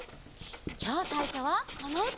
きょうさいしょはこのうた！